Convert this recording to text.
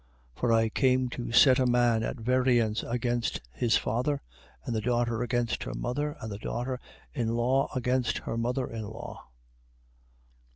10:35. For I came to set a man at variance against his father, and the daughter against her mother, and the daughter in law against her mother in law.